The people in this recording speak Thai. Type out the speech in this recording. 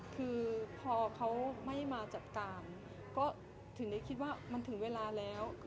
คือพอเขาไม่มาจัดการก็ถึงได้คิดว่ามันถึงเวลาแล้ว